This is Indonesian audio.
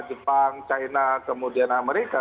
jepang china kemudian amerika